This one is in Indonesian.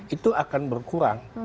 itu akan berkurang